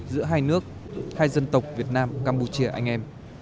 giữa hai nước hai dân tộc việt nam campuchia anh em